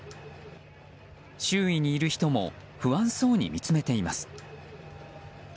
周囲にいる人も不安そうに見つめています。